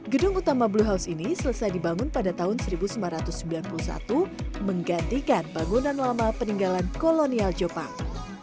gedung utama blue house ini selesai dibangun pada tahun seribu sembilan ratus sembilan puluh satu menggantikan bangunan lama peninggalan kolonial jepang